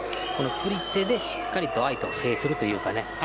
釣り手でしっかりと相手を制するというかね